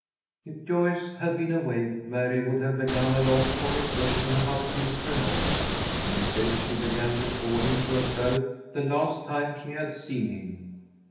If Joyce had been awake, Mary would have begun a long conversation about Phil Tremont. Instead, she began recalling to herself the last time she had seen him.